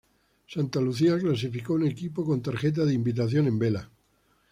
Santa Lucía clasifico un equipo con tarjeta de invitación en Vela